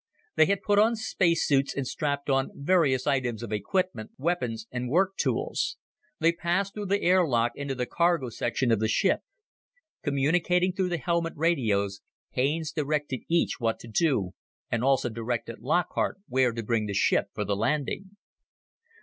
They had put on space suits and strapped on various items of equipment, weapons and work tools. They passed through the airlock into the cargo section of the ship. Communicating through the helmet radios, Haines directed each what to do, and also directed Lockhart where to bring the ship for the landing.